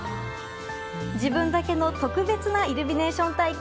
自分だけの、特別なイルミネーション体験。